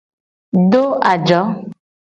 Do ajo.